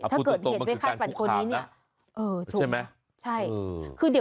ถ้าเกิดเห็นไปคาดปัญชากรคนนี้